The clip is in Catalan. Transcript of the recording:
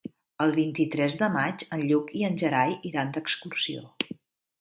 El vint-i-tres de maig en Lluc i en Gerai iran d'excursió.